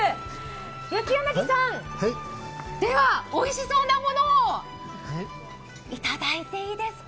八柳さん、では、おいしそうなものをいただいていいですか？